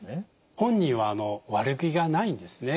本人は悪気がないんですね。